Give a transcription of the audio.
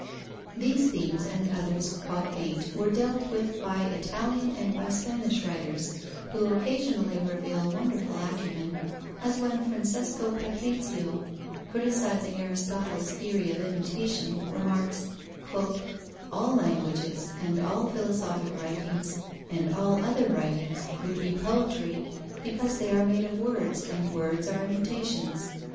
These themes and others cognate were dealt with by Italian and by Spanish writers, who occasionally reveal wonderful acumen, as when Francesco Patrizio, criticizing Aristotle's theory of imitation, remarks: "All languages and all philosophic writings and all other writings would be poetry, because they are made of words, and words are imitations."